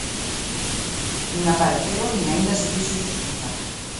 Nin apareceron nin aínda se fixo xustiza.